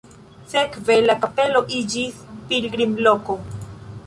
Sekve la kapelo iĝis pilgrimloko.